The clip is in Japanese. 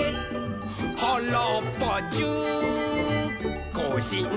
「はらっぱじゅうこうしんさ」